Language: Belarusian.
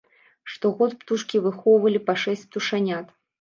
Штогод птушкі выхоўвалі па шэсць птушанят.